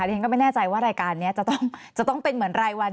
ฉันก็ไม่แน่ใจว่ารายการนี้จะต้องเป็นเหมือนรายวัน